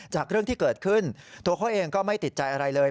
เรื่องที่เกิดขึ้นตัวเขาเองก็ไม่ติดใจอะไรเลย